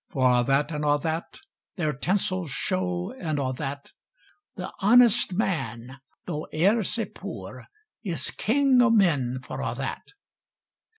For a' that, and a' that, Their tinsel show, and a' that; The honest man, tho' e'er sae poor, Is King o' men for a' that.